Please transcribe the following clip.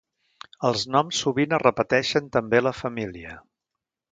Els noms sovint es repeteixen també a la família.